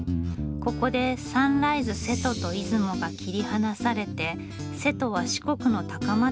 ここでサンライズ瀬戸と出雲が切り離されて瀬戸は四国の高松駅へ。